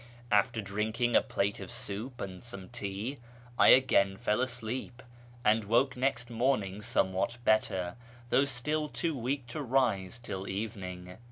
After drinking a plate of soup and some tea, I again fell asleep, and woke next morning somewhat better, thougli still too weak to rise till evening.